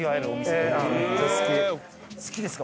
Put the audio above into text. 好きですか？